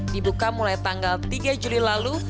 dibuka mulai tanggal tiga juli lalu